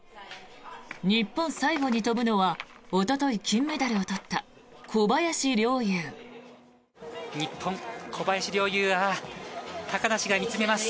日本最後に飛ぶのはおととい金メダルを取った小林陵侑。